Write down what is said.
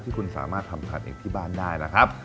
ที่คุณสามารถทำผัดเองที่บ้านได้นะครับ